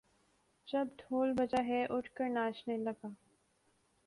جب ڈھول بجا تو اٹھ کر ناچنے لگا